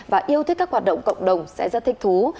và yêu thích các hoạt động cộng đồng sẽ rất thích thú